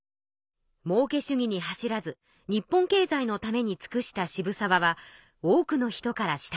もうけ主義に走らず日本経済のために尽くした渋沢は多くの人からしたわれました。